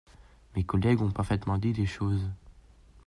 Mes collègues ont parfaitement dit les choses.